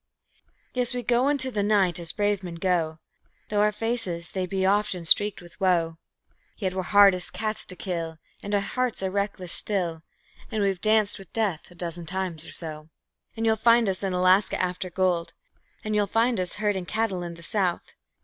Yes, we go into the night as brave men go, Though our faces they be often streaked with woe; Yet we're hard as cats to kill, And our hearts are reckless still, And we've danced with death a dozen times or so. And you'll find us in Alaska after gold, And you'll find us herding cattle in the South.